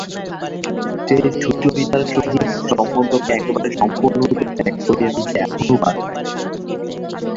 সে সুচরিতার সহিত সম্বন্ধকে একেবারে সম্পূর্ণরূপে ত্যাগ করিয়া দিতে এখনো পারে নাই।